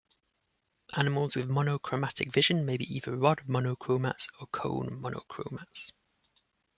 Animals with monochromatic vision may be either rod monochromats or cone monochromats.